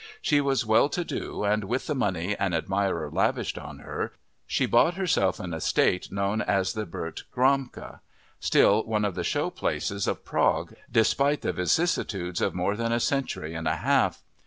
She was well to do and, with the money an admirer lavished on her, she bought herself an estate known as the Bertramka—still one of the show places of Prague, despite the vicissitudes of more than a century and a half.